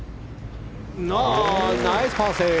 ナイスパーセーブ！